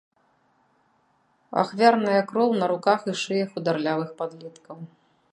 Ахвярная кроў на руках і шыях хударлявых падлеткаў.